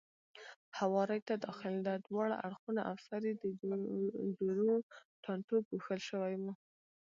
هوارۍ ته داخلېده، دواړه اړخونه او سر یې د جورو ټانټو پوښل شوی و.